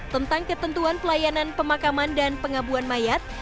tentang ketentuan pelayanan pemakaman dan pengabuan mayat